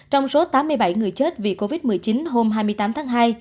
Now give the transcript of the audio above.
trong số tám mươi bảy người chết vì covid một mươi chín hôm hai mươi tám tháng hai